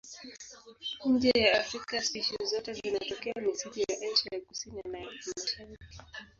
Nje ya Afrika spishi zote zinatokea misitu ya Asia ya Kusini na ya Mashariki.